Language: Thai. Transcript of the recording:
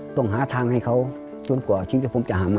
ต้องหาทางให้เขาจนกว่าชิ้นเจ้าผมจะหาใหม่ครับ